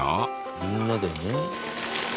みんなでね。